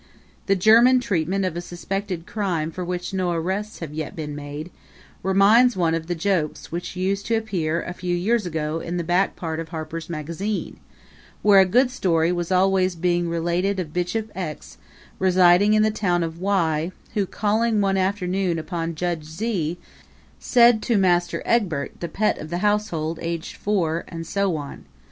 The German treatment of a suspected crime for which no arrests have yet been made, reminds one of the jokes which used to appear, a few years ago, in the back part of Harper's Magazine, where a good story was always being related of Bishop X, residing in the town of Y, who, calling one afternoon upon Judge Z, said to Master Egbert, the pet of the household, age four, and so on.